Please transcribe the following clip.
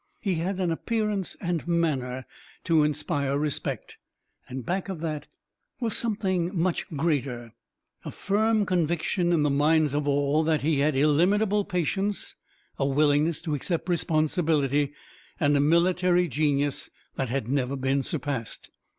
He had an appearance and manner to inspire respect, and, back of that, was something much greater, a firm conviction in the minds of all that he had illimitable patience, a willingness to accept responsibility, and a military genius that had never been surpassed.